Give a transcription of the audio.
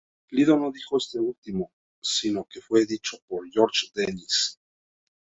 Lido no dijo esto último, sino que fue dicho por George Dennis.